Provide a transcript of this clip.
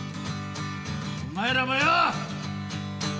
お前らもよ！